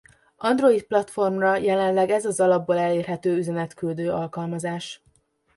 Android platformra jelenleg ez az alapból elérhető üzenetküldő alkalmazás.